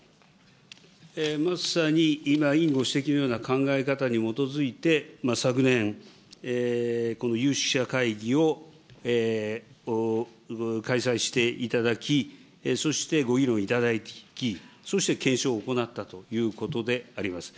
まさに今、委員ご指摘のような考え方に基づいて、昨年、この有識者会議を開催していただき、そしてご議論いただき、そして検証を行ったということであります。